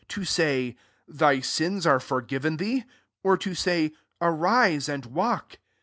to say, < Thy sins are forgiven thee?' or to say, ^Ariae and walk